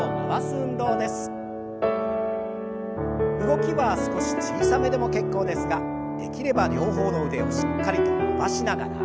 動きは少し小さめでも結構ですができれば両方の腕をしっかりと伸ばしながら。